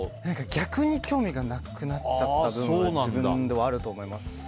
逆に興味がなくなっちゃった部分が自分ではあると思います。